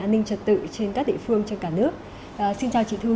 xin chào quý vị và các bạn